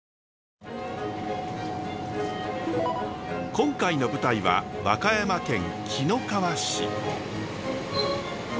今回の舞台は和歌山県紀の川市。